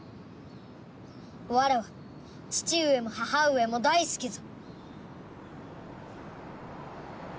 わらわ父上も母上も大好きぞ。